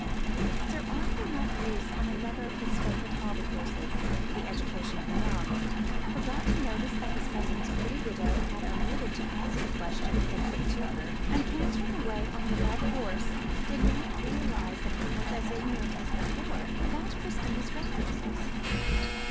Sir Arthur, let loose on another of his favourite hobby horses, the education of the young, forgot to notice that his cousin's pretty widow had omitted to answer the question he had put to her, and cantering away on the above horse, did not realise that he was as ignorant as before, about Christina's references.